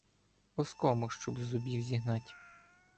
Оскому щоб з зубів зігнать.